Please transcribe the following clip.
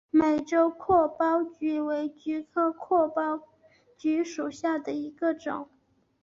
美洲阔苞菊为菊科阔苞菊属下的一个种。